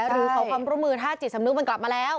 หรือขอความร่วมมือถ้าจิตสำนึกมันกลับมาแล้ว